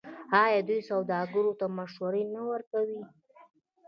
آیا دوی سوداګرو ته مشورې نه ورکوي؟